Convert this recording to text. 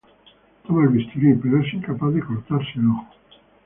Toma el bisturí, pero es incapaz de cortarse el ojo.